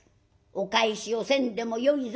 お返しをせんでもよいぞ」。